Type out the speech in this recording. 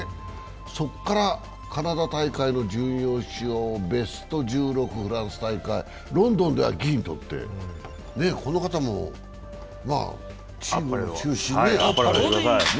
そこからカナダ大会の準優勝、ベスト１６、フランス大会、ロンドンでは銀とって、この方もチームの中心、あっぱれだよね。